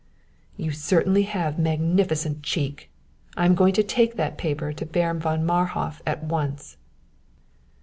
"You certainly have magnificent cheek! I am going to take that paper to Baron von Marhof at once."